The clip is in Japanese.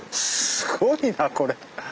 すごいなこれ。